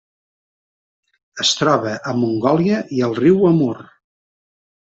Es troba a Mongòlia i al riu Amur.